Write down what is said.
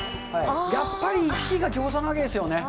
やっぱり１位がギョーザなわけですよね。